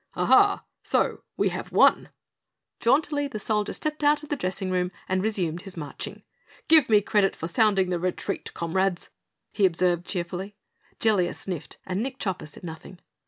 "Ah, so we have won?" Jauntily the Soldier stepped out of the dressing room and resumed his marching. "Give me credit for sounding the retreat, comrades," he observed cheerfully. Jellia sniffed, and Nick Chopper said nothing.